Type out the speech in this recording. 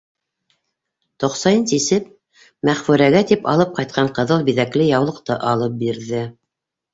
Тоҡсайын сисеп, Мәғфүрәгә тип алып ҡайтҡан ҡыҙыл биҙәкле яулыҡты алып бирҙе.